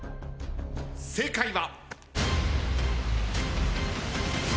正解は。